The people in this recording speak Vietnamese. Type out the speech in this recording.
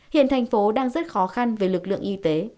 hiện thành phố đang rất khó khăn về lực lượng y tế